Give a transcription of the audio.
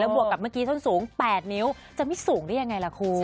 บวกกับเมื่อกี้ส้นสูง๘นิ้วจะไม่สูงได้ยังไงล่ะคุณ